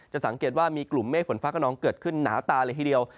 สังเกตว่ามีกลุ่มเมฆฝนฟ้ากระนองเกิดขึ้นหนาตาเลยทีเดียว